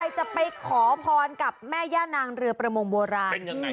จะไปขอพรกับแม่ย่านางเรือประมงโบราณ